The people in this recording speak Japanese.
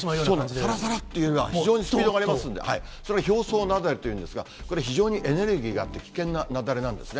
さらさらっというのは、非常にスピードがありますので、それを表層雪崩というんですが、これ、非常にエネルギーがあって危険な雪崩なんですね。